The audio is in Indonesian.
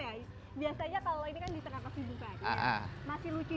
kan di tengah tengah film kan masih lucu